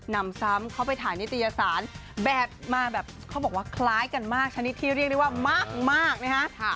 นำซ้ำเข้าไปถ่ายนิตยสารแบบมาแบบเขาบอกว่าคล้ายกันมากชนิดที่เรียกได้ว่ามากนะฮะ